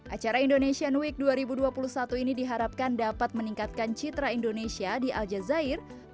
acara indonesian week dua ribu dua puluh satu ini diharapkan dapat meningkatkan citra indonesia di al jazeera